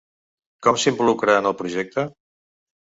Com s’involucra en el projecte?